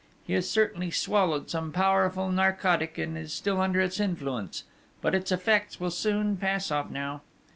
He has certainly swallowed some powerful narcotic and is still under its influence; but its effects will soon pass off now.'